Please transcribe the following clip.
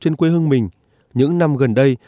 trên quê hương mình những năm gần đây